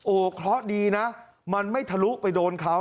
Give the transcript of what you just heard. โอ้โหเคราะห์ดีนะมันไม่ทะลุไปโดนเขา